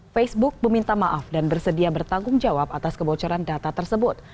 facebook meminta maaf dan bersedia bertanggung jawab atas kebocoran data tersebut